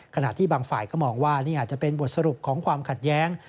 ขณะที่บางฝ่ายก็มองว่านี่อาจจะเป็นบทสรุปของความขัดแย้ง